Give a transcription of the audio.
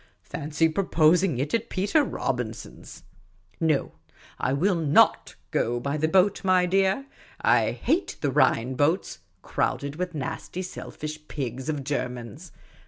Fancy proposing it at Peter Robin son's ! No, I will not go by the boat, my dear. I hate the Rhine boats, crowded with nasty selfish pigs of Germans.